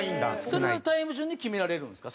それはタイム順に決められるんですか？